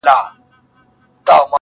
دی د اردو يو متقاعد ډګروال وو.